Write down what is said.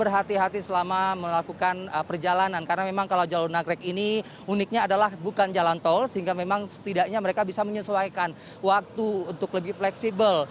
berhati hati selama melakukan perjalanan karena memang kalau jalur nagrek ini uniknya adalah bukan jalan tol sehingga memang setidaknya mereka bisa menyesuaikan waktu untuk lebih fleksibel